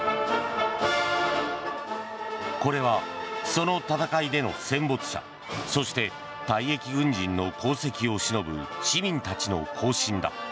これは、その戦いでの戦没者そして退役軍人の功績をしのぶ市民たちの行進だ。